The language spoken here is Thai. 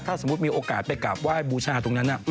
ถ้าสมมุติมีโอกาสไปกราบไหว้บูชาตรงนั้น